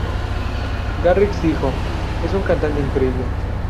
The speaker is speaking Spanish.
Garrix dijo: "Es un cantante increíble.